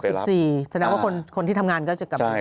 ด้านสามมี๖๔สำหรับคนที่ทำงานก็จะกลับมา